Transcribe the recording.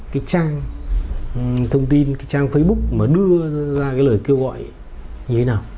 cái trang thông tin cái trang facebook mà đưa ra cái lời kêu gọi như thế nào